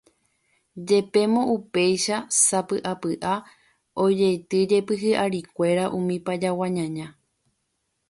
Jepémo upéicha, sapy'apy'a, ojeitýjepi hi'arikuéra umi Pajagua ñaña